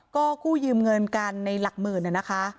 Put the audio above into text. ก็กู้ยืมเงินกันในหลักหมื่นนะคะ